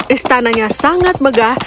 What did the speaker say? istananya sangat megah